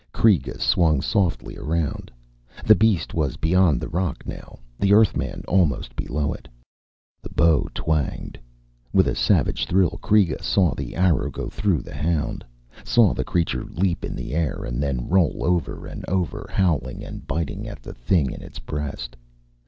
Kreega swung softly around. The beast was beyond the rock now, the Earthman almost below it. The bow twanged. With a savage thrill, Kreega saw the arrow go through the hound, saw the creature leap in the air and then roll over and over, howling and biting at the thing in its breast.